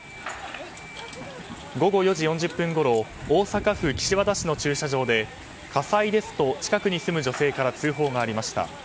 午後４時４０分ごろ大阪府岸和田市の駐車場で火災ですと近くに住む女性から通報がありました。